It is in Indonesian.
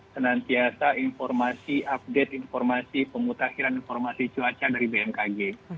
senantiasa informasi update informasi pemutakhiran informasi cuaca dari bmkg